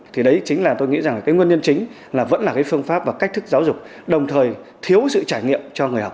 thì đấy chính là tôi nghĩ rằng cái nguyên nhân chính là vẫn là cái phương pháp và cách thức giáo dục đồng thời thiếu sự trải nghiệm cho người học